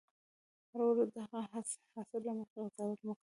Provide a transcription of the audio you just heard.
هره ورځ د هغه حاصل له مخې قضاوت مه کوه.